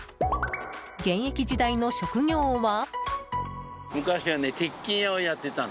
現役時代の職業は？